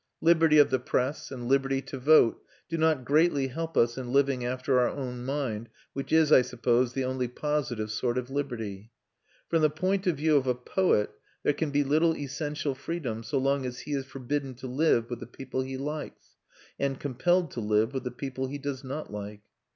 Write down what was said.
Liberty of the press and liberty to vote do not greatly help us in living after our own mind, which is, I suppose, the only positive sort of liberty. From the point of view of a poet, there can be little essential freedom so long as he is forbidden to live with the people he likes, and compelled to live with the people he does not like.